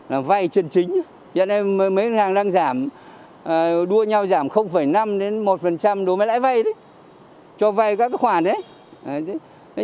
là vay chân chính hiện nay mấy ngân hàng đang đua nhau giảm năm đến một đối với lãi vay cho vay các khoản đấy